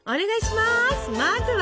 まずは？